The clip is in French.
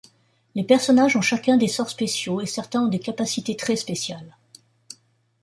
Les personnages ont chacun des sorts spéciaux, et certains ont des capacités très spéciales.